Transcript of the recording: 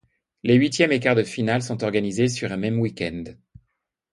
Les huitièmes et quarts de finale sont organisés sur un même week-end.